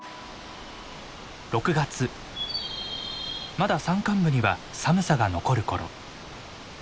まだ山間部には寒さが残る頃。